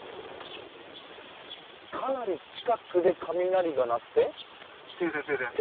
かなり近くで雷が鳴って。